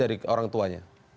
kondisi dari orang tuanya